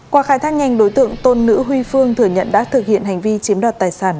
qua khai thác nhanh đối tượng tôn nữ huy phương thừa nhận đã thực hiện hành vi chiếm đoạt tài sản